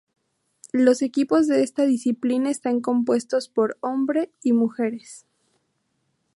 Los equipos de esta disciplina están compuestos por hombre y mujeres.